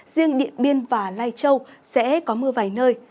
riêng điện biên và lai châu sẽ có mưa vài nơi